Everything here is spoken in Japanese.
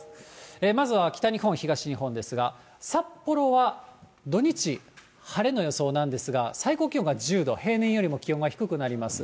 まずは北日本、東日本ですが、札幌は土日、晴れの予想なんですが、最高気温が１０度、平年よりも気温が低くなります。